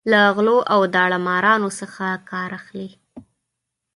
له غلو او داړه مارانو څخه کار اخلي.